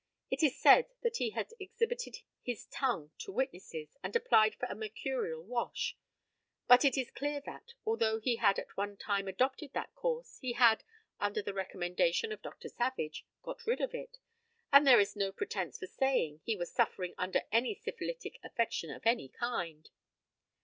It is said that he had exhibited his tongue to witnesses, and applied for a mercurial wash, but it is clear that, although he had at one time adopted that course, he had, under the recommendation of Dr. Savage, got rid of it, and there is no pretence for saying he was suffering under any syphilitic affection of any kind.